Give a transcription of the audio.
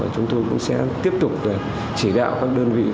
chúng tôi cũng sẽ tiếp tục chỉ đạo các đơn vị